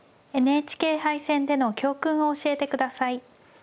ＮＨＫ杯戦での教訓を教えて下さい。